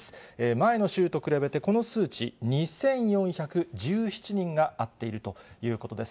前の週と比べて、この数値、２４１７人が合っているということです。